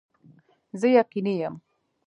زه یقیني یم